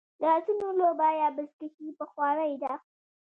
د اسونو لوبه یا بزکشي پخوانۍ ده